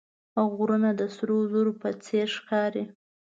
غرونه د سرو زرو په څېر ښکاري